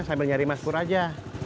sambil nyari mas pur aja